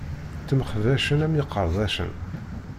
Ttemxebbacen am iqerdacen.